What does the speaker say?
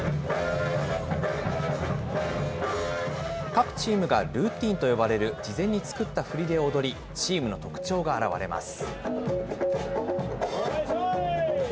各チームが、ルーティンと呼ばれる、事前に作った振りで踊り、チームの特徴が表れます。